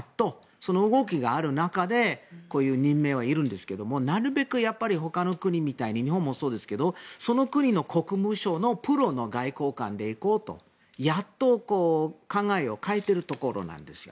その動きがある中でこういう任命がいるんですがなるべくほかの国みたいに日本もそうですけどその国の国務省のプロの外務官で行こうとやっと考えを変えているところなんですよ。